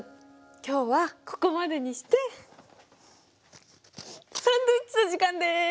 今日はここまでにしてサンドイッチの時間です！